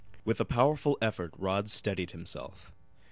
With a powerful effort Rod steadied himself.